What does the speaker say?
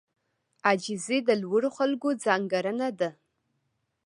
عاجزي د لوړو خلکو ځانګړنه ده.